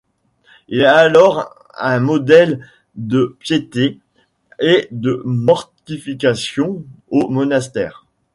Il est alors un modèle de piété et de mortification au monastère.